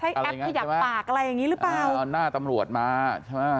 แอปขยับปากอะไรอย่างงี้หรือเปล่าเอาหน้าตำรวจมาใช่ไหม